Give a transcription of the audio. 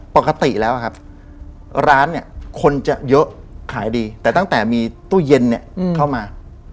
ปกติแล้วครับร้านเนี่ยคนจะเยอะขายดีแต่ตั้งแต่มีตู้เย็นเนี่ยเข้ามา